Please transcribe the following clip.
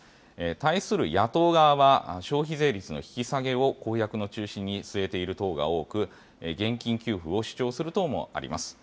対する野党側は、消費税率の引き下げを公約の中心に据えている党が多く、現金給付を主張する党もあります。